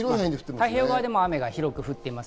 太平洋側でも広く雨が降っています。